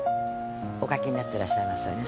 お書きになってらっしゃいますよね。